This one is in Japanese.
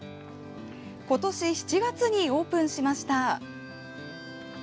今年７月にオープンしました。